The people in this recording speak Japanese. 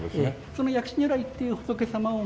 その薬師如来っていう仏様を守るのが。